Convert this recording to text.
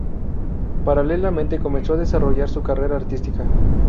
Paralelamente, comenzó a desarrollar su carrera artística.